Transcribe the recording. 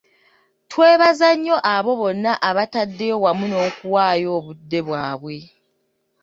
Twebaza nnyo abo bonna abateddeyo wamu n’okuwaayo obudde bwabwe.